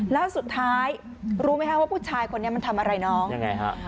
แล้วสุดท้ายรู้ไหมคะว่าผู้ชายคนนี้มันทำอะไรน้องยังไงฮะ